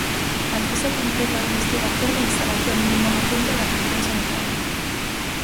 Acceso completo á a investigación e instalación dun novo punto de atención sanitaria.